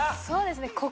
そうですね。